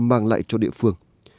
mang lại cho địa phương